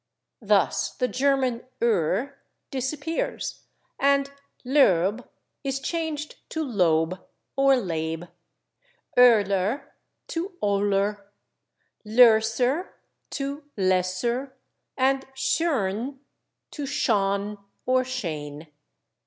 Thus the German /oe/ disappears, and /Loeb/ is changed to /Lobe/ or /Laib/, /Oehler/ to /Ohler/, /Loeser/ to /Leser/, and /Schoen/ to /Schon/ or /Shane